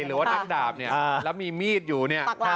หรือว่าดำดามเนี่ยแล้วมีหนีดอยู่เนี่ยอ่ะ